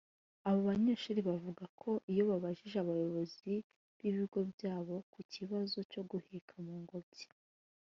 Abo banyeshuri bavuga ko iyo babajije abayobozi b’ibigo byabo ku kibazo cyo guheka mu ngobyi